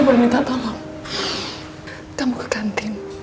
mbak andin udah masuk rumah sakit